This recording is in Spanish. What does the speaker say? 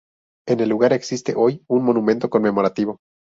En el lugar existe hoy un monumento conmemorativo.